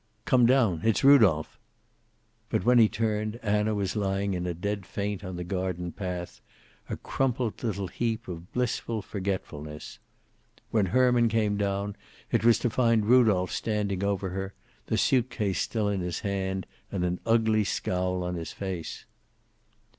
"Come down. It's Rudolph." But when he turned Anna was lying in a dead faint on the garden path, a crumpled little heap of blissful forgetfulness. When Herman came down, it was to find Rudolph standing over her, the suitcase still in his hand, and an ugly scowl on his face.